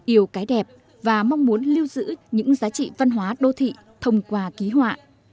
yêu cái đẹp và mong muốn lưu giữ những giá trị văn hóa đô thị thông qua ký họa